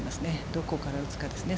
どこから打つかですね。